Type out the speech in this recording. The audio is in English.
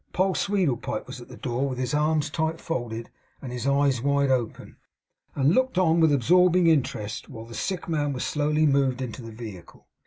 Poll Sweedlepipe was at the door with his arms tight folded and his eyes wide open, and looked on with absorbing interest, while the sick man was slowly moved into the vehicle.